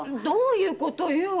どういうことよ？